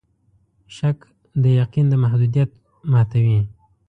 شک د یقین د محدودیت ماتوي.